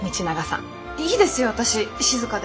いいですよ私静で。